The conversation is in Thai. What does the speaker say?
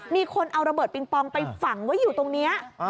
มีคนเอาระเบิดปิงปองไปฝังไว้อยู่ตรงนี้